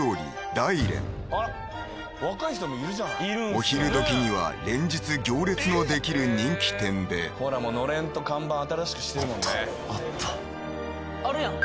あら若い人もいるじゃないお昼どきには連日行列のできる人気店でほらもうのれんと看板新しくしてるもんねあったあるやん